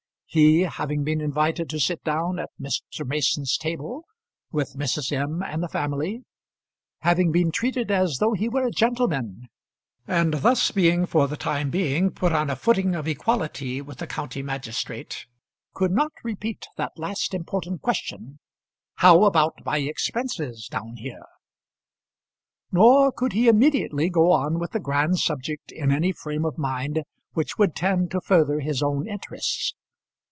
He, having been invited to sit down at Mr. Mason's table, with Mrs. M. and the family, having been treated as though he were a gentleman, and thus being for the time being put on a footing of equality with the county magistrate, could not repeat that last important question: "How about my expenses down here?" nor could he immediately go on with the grand subject in any frame of mind which would tend to further his own interests.